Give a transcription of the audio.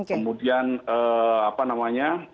kemudian apa namanya